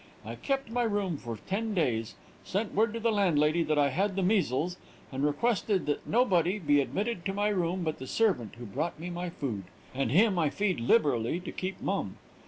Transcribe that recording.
I kept my room for ten days; sent word to the landlady that I had the measles, and requested that nobody be admitted to my room but the servant who brought me my food, and him I feed liberally to keep mum.